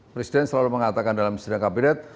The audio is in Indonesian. presiden selalu mengatakan dalam sidang kabinet